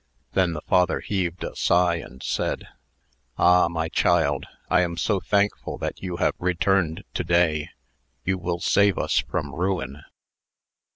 Then the father heaved a sigh, and said: "Ah, my child, I am so thankful that you have returned to day. You will save us from ruin."